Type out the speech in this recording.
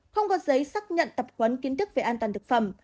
không có giấy xác nhận tập huấn kiến thức về an toàn thực phẩm